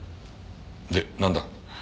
でなんだ？